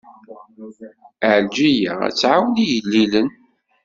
Ɛelǧiya ad tɛawen igellilen.